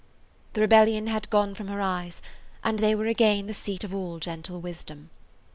The rebellion had gone from her eyes, and they were again the seat of all gentle wisdom.